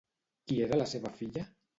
Qui era la seva filla?